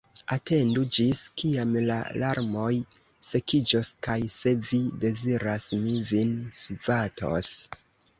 Atendu, ĝis kiam la larmoj sekiĝos, kaj, se vi deziras, mi vin svatos.